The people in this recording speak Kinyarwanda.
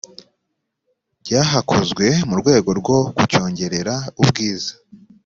byahakozwe mu rwego rwo kucyongerera ubwiza